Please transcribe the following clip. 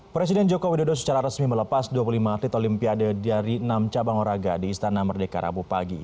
presiden joko widodo secara resmi melepas dua puluh lima atlet olimpiade dari enam cabang olahraga di istana merdeka rabu pagi